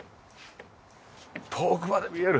遠くまで見える。